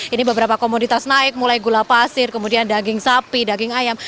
ini beberapa komoditas naik mulai gula pasir kemudian daging sapi daging ayam